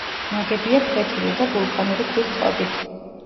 ნაგებია ფლეთილი და ვულკანური ქვის წყობით.